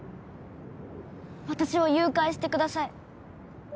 私を誘拐してください